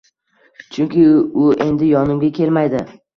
Chunki u endi yonimga kelmaydi